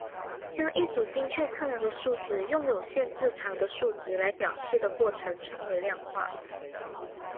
将一组精确测量的数值用有限字长的数值来表示的过程称为量化。